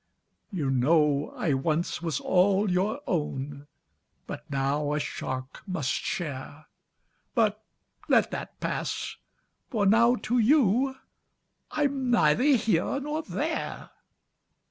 "You know I once was all your own, But now a shark must share! But let that pass for now, to you I'm neither here nor there."